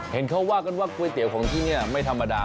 เห็นเขาว่ากันว่าก๋วยเตี๋ยวของที่นี่ไม่ธรรมดา